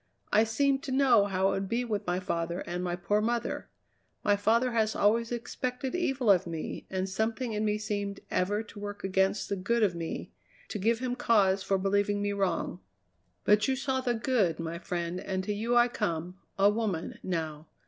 I seemed to know how it would be with my father and my poor mother. My father has always expected evil of me, and something in me seemed ever to work against the good of me, to give him cause for believing me wrong. But you saw the good, my friend, and to you I come a woman, now.